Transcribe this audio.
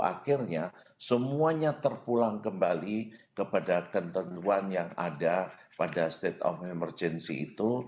akhirnya semuanya terpulang kembali kepada ketentuan yang ada pada state of emergency itu